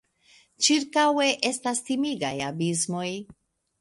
Ĉirkaŭe estas timigaj abismoj.